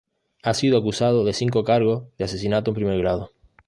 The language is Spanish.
Ha sido acusado de cinco cargos de asesinato en primer grado.